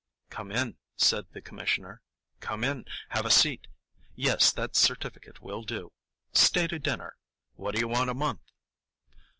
"Come in," said the commissioner,—"come in. Have a seat. Yes, that certificate will do. Stay to dinner. What do you want a month?"